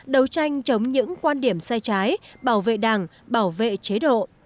đấu tranh chống những quan điểm sai trái bảo vệ đảng bảo vệ chế độ